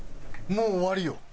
もう終わりよ。